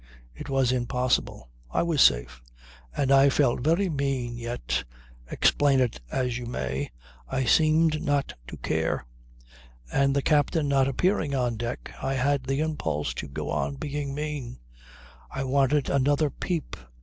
It was impossible; I was safe; and I felt very mean, yet, explain it as you may, I seemed not to care. And the captain not appearing on deck, I had the impulse to go on being mean. I wanted another peep.